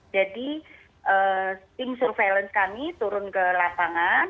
jadi tim surveillance kami turun ke lapangan